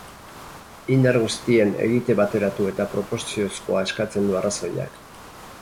Indar guztien egite bateratu eta proportziozkoa eskatzen du arrazoiak.